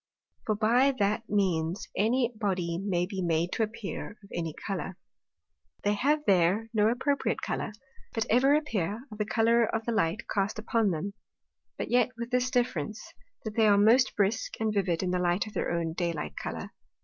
For by that means any body may be made to appear of any Colour. They have there no appropriate Colour, but ever appear of the Colour of the Light cast upon them; but yet with this difference, that they are most brisk and vivid in the Light of their own day light colour.